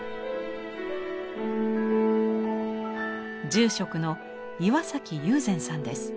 住職の岩崎宥全さんです。